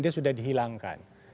dia sudah dihilangkan